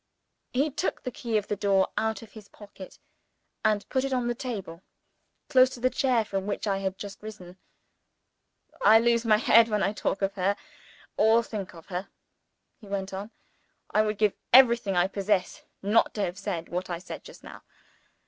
He took the key of the door out of his pocket, and put it on the table close to the chair from which I had just risen. "I lose my head when I talk of her, or think of her," he went on. "I would give everything I possess not to have said what I said just now.